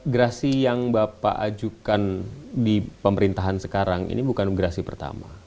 gerasi yang bapak ajukan di pemerintahan sekarang ini bukan gerasi pertama